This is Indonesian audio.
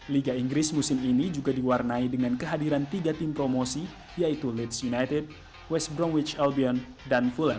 liga inggris musim ini juga diwarnai dengan kehadiran tiga tim promosi yaitu leeds united west brongwitch albion dan full